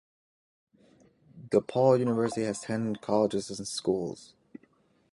DePaul University has ten colleges and schools.